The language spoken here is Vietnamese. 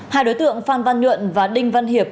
hai đối tượng phan văn nhuận và đinh văn hiệp